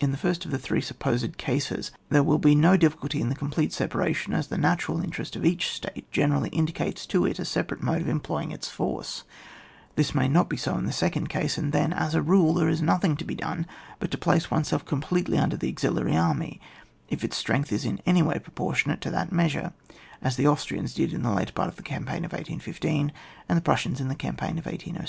In the first of the three supposed cases, there will be no difficulty in the complete separation, as the natural interest of each State generally indicates to it a separate mode of employing its force; this may not be so in the second case, and then, as a rule, there is nothing to be done but to place oneself completely under the auxiliary army, if its strength is in any way proportionate to that measure, as the Austrians did in the latter part of the campaign of 1815, and the Prussians in the campaign of 1 807.